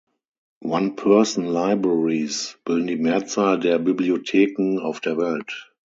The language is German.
One Person Libraries bilden die Mehrzahl der Bibliotheken auf der Welt.